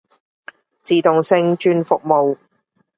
自動性轉服務